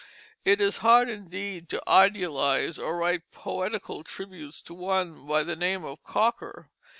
It is hard indeed to idealize or write poetical tributes to one by the name of Cocker.